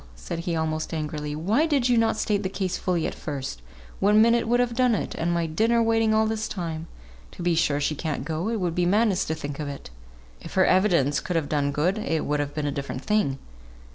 said he, almost angrily, "why did you not state the case fully at first? one minute would have done it, and my dinner waiting all this time. To be sure she can't go, it would be madness to think of it; if her evidence could have done good, it would have been a different thing.